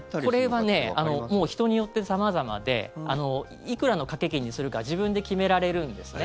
これはもう人によって様々でいくらの掛け金にするか自分で決められるんですね。